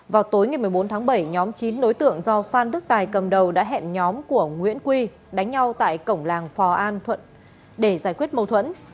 vào tối ngày một mươi bốn tháng bảy nhóm chín đối tượng do phan đức tài cầm đầu đã hẹn nhóm của nguyễn quy đánh nhau tại cổng làng phò an thuận để giải quyết mâu thuẫn